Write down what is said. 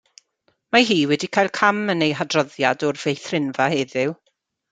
Mae hi wedi cael cam yn ei hadroddiad o'r feithrinfa heddiw.